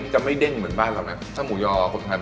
จะไม่เด้งเหมือนบ้านเรานะ